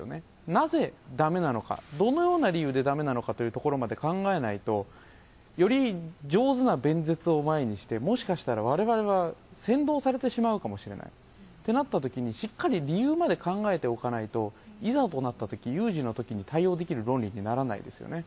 なぜだめなのか、どのような理由でだめなのかというところまで考えないと、より上手な弁舌を前にして、もしかしたらわれわれは扇動されてしまうかもしれないってなったときに、しっかり理由まで考えておかないと、いざとなったとき、有事のときに対応できる論理にならないですよね。